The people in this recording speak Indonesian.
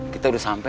kita udah sampai